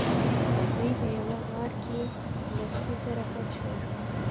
دوی په یوه غار کې له سپي سره پټ شول.